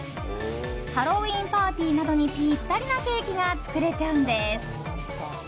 ハロウィーンパーティーなどにピッタリなケーキが作れちゃうんです。